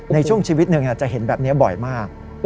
ในช่วงชีวิตหนึ่งจะเห็นแบบนี้บ่อยมาก